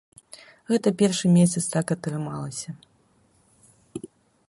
Гэта першы месяц так атрымалася.